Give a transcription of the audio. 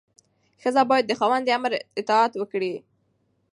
ښځه باید د خاوند د امر اطاعت وکړي.